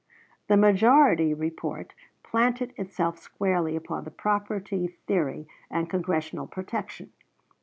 The majority report planted itself squarely upon the property theory and Congressional protection.